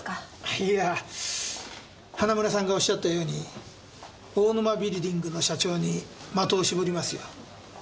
いや花村さんがおっしゃったように大沼ビルディングの社長に的を絞りますよ。